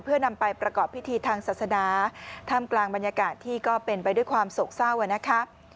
เพื่อนำไปประกอบพิธีทางศาสนาท่ามกลางบรรยากาศที่ก็เป็นไปด้วยความโศกเศร้านะคะ